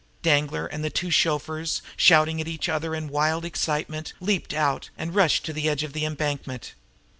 Danglar and the two chauffeurs, shouting at each other in wild excitement, leaped out and rushed to the edge of the embankment.